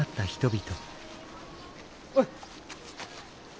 おい！